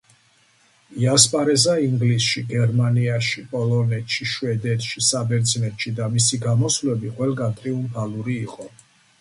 იასპარეზა ინგლისში, გერმანიაში, პოლონეთში, შვედეთში, საბერძნეთში და მისი ეს გამოსვლები ყველგან ტრიუმფალური იყო.